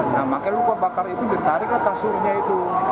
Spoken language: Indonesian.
nah makanya lupa bakar itu ditariklah tasurnya itu